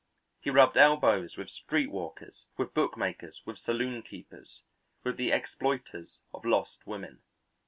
He rubbed elbows with street walkers, with bookmakers, with saloonkeepers, with the exploiters of lost women.